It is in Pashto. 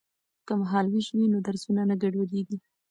که مهال ویش وي نو درسونه نه ګډوډیږي.